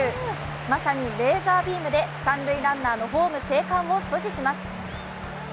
まさにレーザービームで三塁ランナーのホーム生還を阻止します。